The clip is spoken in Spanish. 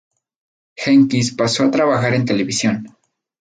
Jenkins pasó a trabajar en televisión.